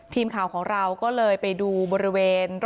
ทีมข่าวของเราก็เลยไปดูบริเวณ